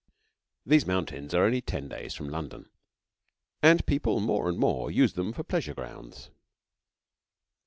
These mountains are only ten days from London, and people more and more use them for pleasure grounds.